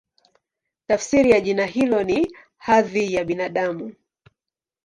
Tafsiri ya jina hilo ni "Hadhi ya Binadamu".